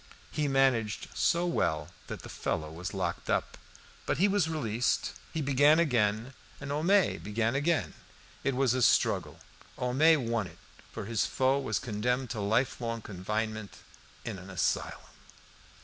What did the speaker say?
He managed so well that the fellow was locked up. But he was released. He began again, and Homais began again. It was a struggle. Homais won it, for his foe was condemned to life long confinement in an asylum.